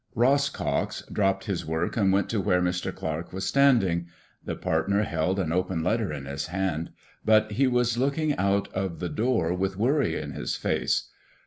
Ross Cox dropped his work and went to where Mr. Clarke was standing. The partner held an open letter in his hand, but he was looking out of the door with worry in his face.